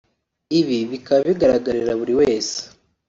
ibi bikaba bigaragarira buri wese